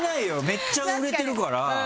めっちゃ売れてるから。